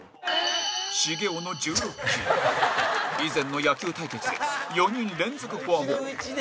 茂雄の１６球以前の野球対決で４人連続フォアボール